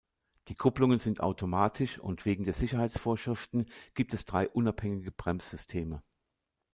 Die Kupplungen sind automatisch und wegen der Sicherheitsvorschriften gibt es drei unabhängige Bremssysteme.